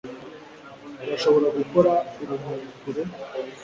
Urashobora gukora urumuri kure?